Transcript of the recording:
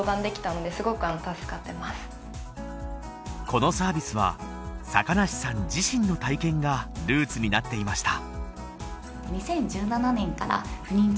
このサービスは坂梨さん自身の体験がルーツになっていました